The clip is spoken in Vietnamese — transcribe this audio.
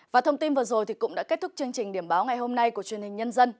và thông tin vừa rồi cũng đã kết thúc chương trình điểm báo ngày hôm nay của truyền hình nhân dân